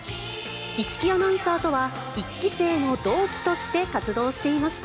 市來アナウンサーとは、１期生の同期として活動していました。